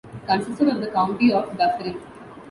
It consisted of the county of Dufferin.